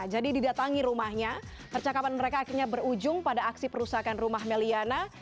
jadi didatangi rumahnya percakapan mereka akhirnya berujung pada aksi perusakan rumah may liana